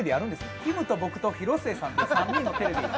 きむと僕と広末さんの３人のテレビ。